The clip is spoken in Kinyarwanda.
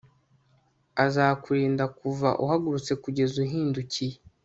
azakurinda kuva uhagurutse kugeza uhindukiye